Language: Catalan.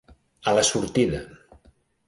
A la sortida.